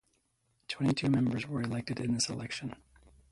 Twenty-two members were elected in this election.